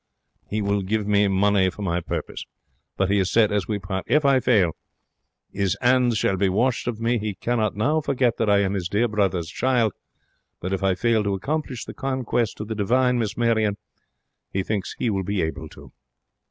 He will give me money for my purpose. But he has said, as we part, if I fail, his 'ands shall be washed of me. He cannot now forget that I am his dear brother's child; but if I fail to accomplish the conquest of the divine Miss Marion, he thinks he will be able to.